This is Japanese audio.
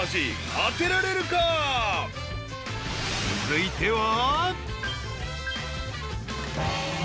［続いては］